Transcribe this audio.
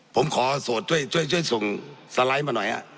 ผมขอโสดช่วยส่งสไลด์มาหน่อยฮะ